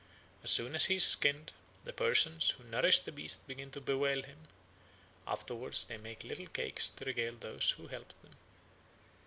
As soon as he is skinned, the persons who nourished the beast begin to bewail him; afterwards they make little cakes to regale those who helped them."